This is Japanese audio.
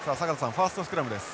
ファーストスクラムです。